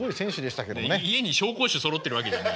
家に紹興酒そろってるわけじゃない。